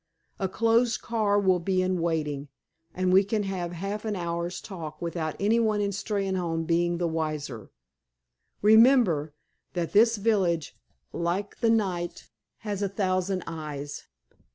A closed car will be in waiting, and we can have half an hour's talk without anyone in Steynholme being the wiser. Remember that this village, like the night, has a thousand eyes.